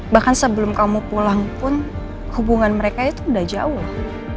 bahkan sebelum kamu pulang pun hubungan mereka itu udah jauh